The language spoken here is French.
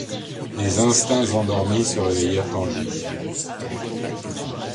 Des instincts endormis se réveillèrent en lui.